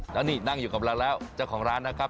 แล้วนี่นั่งอยู่กับเราแล้วเจ้าของร้านนะครับ